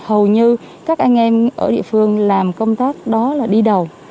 hầu như các anh em ở địa phương làm công tác đó là đi đầu